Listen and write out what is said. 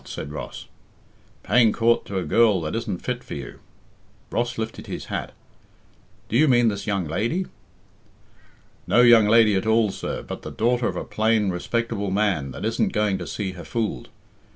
said Ross. "Paying coort to a girl that isn't fit for you." Ross lifted his hat, "Do you mean this young lady?" "No young lady at all, sir, but the daughter of a plain, respectable man that isn't going to see her fooled.